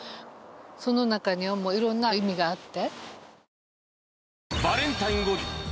その中にはいろんな意味があって。